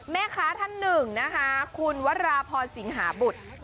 แม่ค้าท่านหนึ่งนะคะคุณวราพรสิงหาบุตร